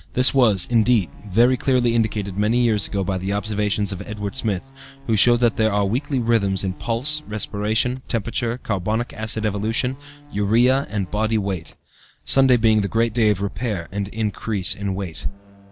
This was, indeed, very clearly indicated many years ago by the observations of Edward Smith, who showed that there are weekly rhythms in pulse, respiration, temperature, carbonic acid evolution, urea, and body weight, Sunday being the great day of repair and increase of weight.